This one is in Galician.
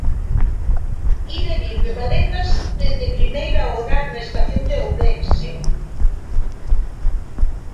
Ir e vir de maletas dende primeira hora na estación de Ourense...